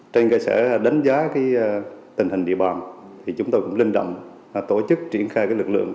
trên cơ sở đánh giá tình hình địa bàn chúng tôi cũng linh động tổ chức triển khai lực lượng